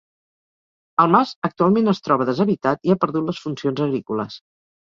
El mas actualment es troba deshabitat i ha perdut les funcions agrícoles.